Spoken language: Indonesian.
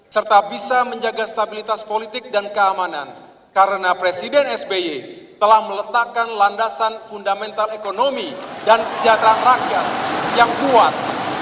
serta bisa menjaga stabilitas politik dan keamanan karena presiden sby telah meletakkan landasan fundamental ekonomi dan kesejahteraan rakyat yang kuat